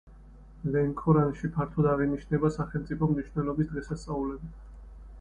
ლენქორანში ფართოდ აღინიშნება სახელმწიფო მნიშვნელობის დღესასწაულები.